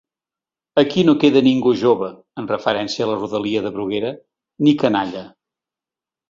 Aquí no queda ningú jove –en referència a la rodalia de Bruguera–, ni canalla.